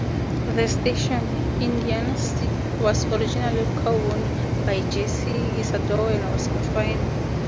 The station, Indiana's sixth, was originally co-owned by Jesse, Isadore, and Oscar Fine.